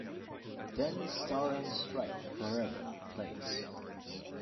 Then Stars and Stripes Forever plays.